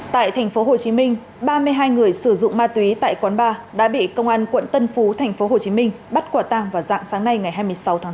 tại tp hcm ba mươi hai người sử dụng ma túy tại quán bar đã bị công an quận tân phú tp hcm bắt quả tăng vào dạng sáng nay ngày hai mươi sáu tháng tám